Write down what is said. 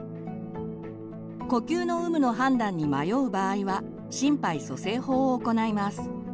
呼吸の有無の判断に迷う場合は心肺蘇生法を行います。